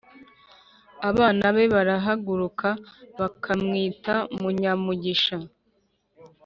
abana be barahaguruka bakamwita munyamugisha,